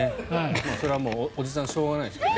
それはもうおじさんしょうがないですよね。